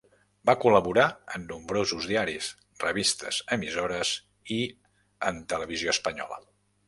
Va col·laborar en nombrosos diaris, revistes, emissores i en Televisió Espanyola.